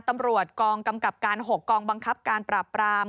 ตำรวจกองกำกับการ๖กองบังคับการปราบปราม